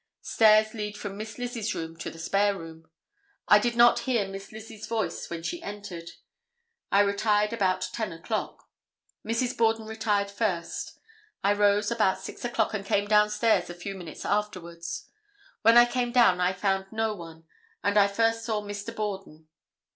Stairs lead from Miss Lizzie's room to the spare room. I did not hear Miss Lizzie's voice when she entered. I retired about 10 o'clock. Mrs. Borden retired first. I rose about 6 o'clock and came down stairs a few minutes afterwards. When I came down I found no one, and I first saw Mr. Borden.